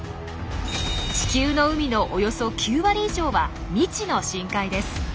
地球の海のおよそ９割以上は未知の深海です。